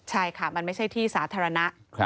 ใช่ค่ะมันไม่ใช่ที่สาธารณะ